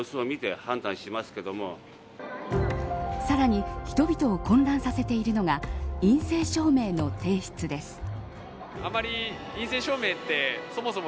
さらに人々を混乱させているのが陰性証明の提出です。